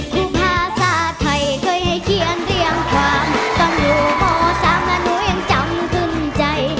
คือภาษาไทยเคยให้เขียนเรียงความตอนอยู่ม๓แล้วหนูยังจำขึ้นใจ